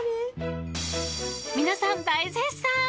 ［皆さん大絶賛］